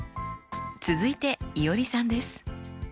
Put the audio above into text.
続いていおりさんです。